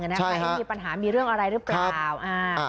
ให้มีปัญหามีเรื่องอะไรหรือเปล่า